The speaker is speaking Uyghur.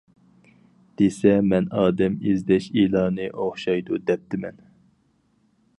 دېسە مەن ئادەم ئىزدەش ئېلانى ئوخشايدۇ دەپتىمەن.